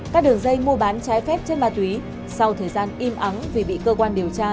các đường dây mua bán trái phép trên ma túy sau thời gian im ắng vì bị cơ quan điều tra